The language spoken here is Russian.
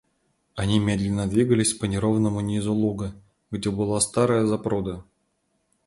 Они медленно двигались по неровному низу луга, где была старая запруда.